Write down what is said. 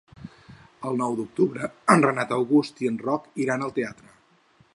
El nou d'octubre en Renat August i en Roc iran al teatre.